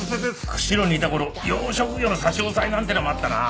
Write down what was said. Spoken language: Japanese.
釧路にいた頃養殖魚の差し押さえなんてのもあったなあ。